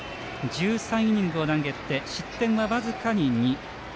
１３イニングを投げて失点は僅かに２。